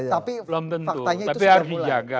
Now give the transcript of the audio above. tapi faktanya itu sudah mulai